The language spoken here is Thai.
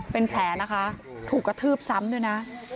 เป็นแผลนะคะถูกกระทืบซ้ำด้วยนะ